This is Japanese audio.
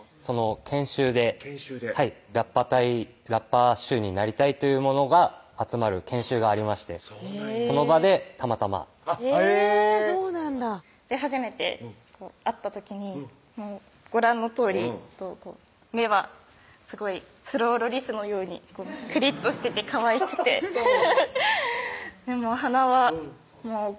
研修でラッパ手になりたいという者が集まる研修がありましてその場でたまたまへぇ初めて会った時にご覧のとおり目はすごいスローロリスのようにクリッとしててかわいくて鼻はコアラのような